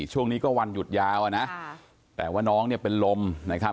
ช่วงนี้ก็วันหยุดยาวอ่ะนะแต่ว่าน้องเนี่ยเป็นลมนะครับ